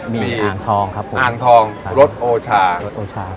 มีอ่างทองครับผมอ่างทองรสโอชารสโอชา